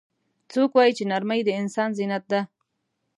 څوک وایي چې نرمۍ د انسان زینت ده